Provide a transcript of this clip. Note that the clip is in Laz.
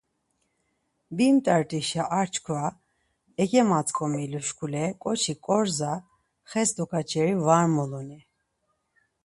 Bimt̆ert̆işa ar çkva eǩematzǩomilu şkule ǩoçi ǩorza xes dokaçeri var muluni?